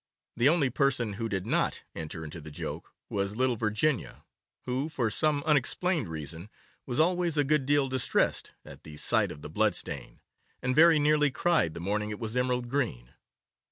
The only person who did not enter into the joke was little Virginia, who, for some unexplained reason, was always a good deal distressed at the sight of the blood stain, and very nearly cried the morning it was emerald green.